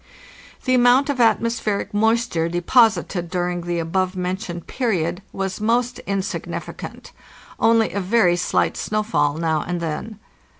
The amount of atmospheric moisture deposited during the above mentioned period was most insignificant ; only a very slight snowfall now and then.